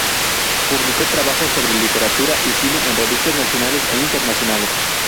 Publicó trabajos sobre literatura y cine en revistas nacionales e internacionales.